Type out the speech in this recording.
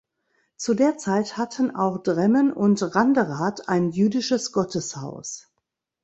Zu der Zeit hatten auch Dremmen und Randerath ein jüdisches Gotteshaus.